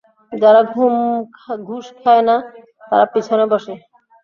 যারা ঘুষ খায় না তারা পিছনে বসে।